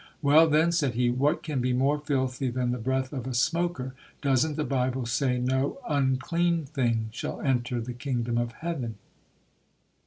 "Well, then", said he, "what can be more filthy than the breath of a smoker? Doesn't the Bible say no unclean thing shall enter the kingdom of heaven?"